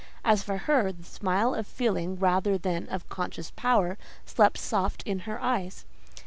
As for her, the smile of feeling, rather than of conscious power, slept soft in her eyes.